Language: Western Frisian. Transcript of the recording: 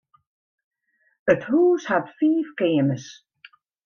It hús hat fiif keamers.